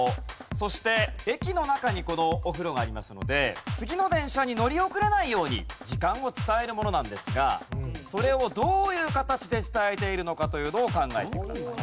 そして駅の中にこのお風呂がありますので次の電車に乗り遅れないように時間を伝えるものなんですがそれをどういう形で伝えているのかというのを考えてください。